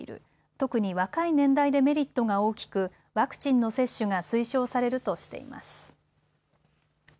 特に若い年代でメリットが大きくワクチンの接種が推奨されるとしています。